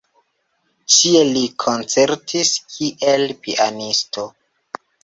Ĉie li koncertis kiel pianisto.